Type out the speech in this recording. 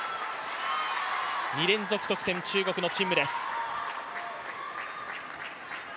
２連続得点、中国の陳夢です。